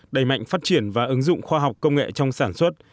đẩy mạnh phát triển và ứng dụng khoa học công nghệ trong sản xuất